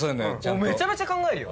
俺めちゃめちゃ考えるよ。